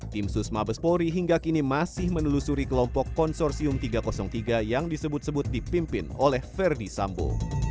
tim susma bespori hingga kini masih menelusuri kelompok konsorsium tiga ratus tiga yang disebut sebut dipimpin oleh verdi sambo